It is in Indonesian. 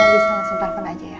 bisa langsung telepon aja ya